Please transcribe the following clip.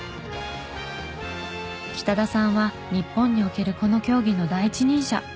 北田さんは日本におけるこの競技の第一人者。